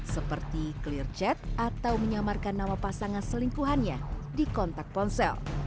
seperti clear chat atau menyamarkan nama pasangan selingkuhannya di kontak ponsel